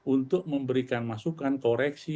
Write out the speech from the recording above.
untuk memberikan masukan koreksi